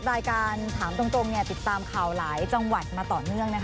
รายการถามตรงติดตามข่าวหลายจังหวัดมาต่อเนื่องนะคะ